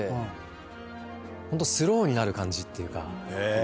ホントスローになる感じっていうか。